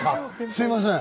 すみません。